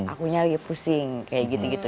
akunya lagi pusing kayak gitu gitu